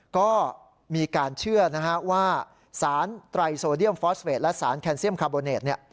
ก็มีการเชื่อนะฮะว่าสารไตรโซเดียมฟอสเวทและสารแคนเซียมคาร์โบเนต